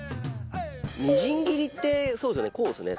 みじん切りってそうですよねこうですよね